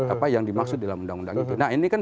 apa yang dimaksud dalam undang undang itu nah ini kan